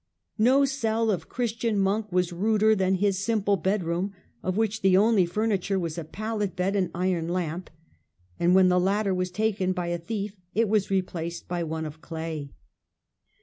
No cell of Christian monk was ruder than his simple bedroom, of which the only furniture was a pallet bed and iron lamp, and when the latter was taken by a thief, it was replaced by one of clay.